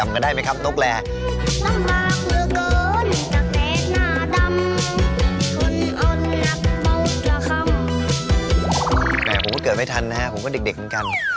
ผมก็เกิดไม่ทันนะครับผมก็เด็กเหมือนกัน